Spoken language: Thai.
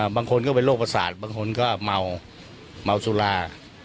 บางคนก็เป็นโรคประสาทบางคนก็เมาเมาสุรา